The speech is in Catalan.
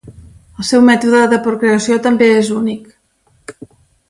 El seu mètode de procreació també és únic.